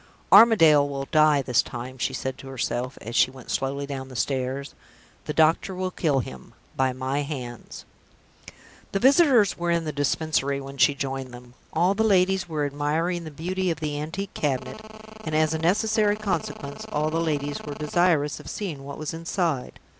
"Armadale will die this time," she said to herself, as she went slowly down the stairs. "The doctor will kill him, by my hands." The visitors were in the Dispensary when she joined them. All the ladies were admiring the beauty of the antique cabinet; and, as a necessary consequence, all the ladies were desirous of seeing what was inside.